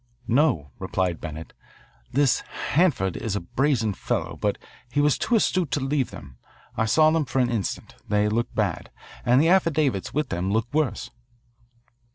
"No," replied Bennett. "This Hanford is a brazen fellow, but he was too astute to leave them. I saw them for an instant. They look bad. And the affidavits with them look worse."